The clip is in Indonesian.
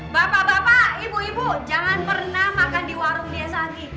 bapak bapak ibu ibu jangan pernah makan di warung desagi